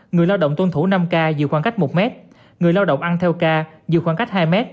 người lao động tuân thủ năm ca dự khoảng cách một m người lao động ăn theo ca dự khoảng cách hai m